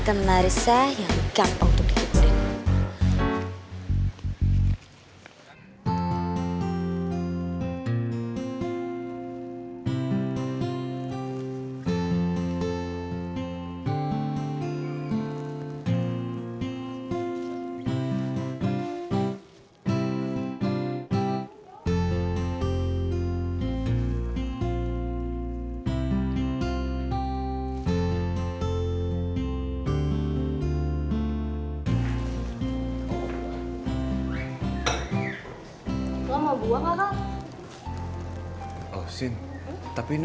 tante marissa yang gampang untuk dicukupin